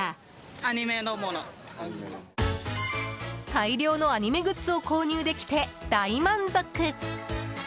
大量のアニメグッズを購入できて大満足。